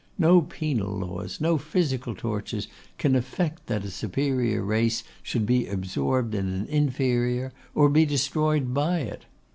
No penal laws, no physical tortures, can effect that a superior race should be absorbed in an inferior, or be destroyed by it.